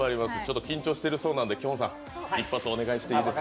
緊張しているそうなのできょんさん一発お願いします。